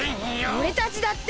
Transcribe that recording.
おれたちだって！